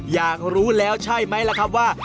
อยากรู้แล้วใช่ไหมล่ะครับว่า